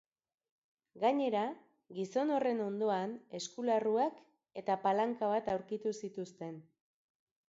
Gainera, gizon horren ondoan eskularruak eta palanka bat aurkitu zituzten.